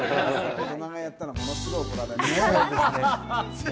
大人がやったら、ものすごい怒られる。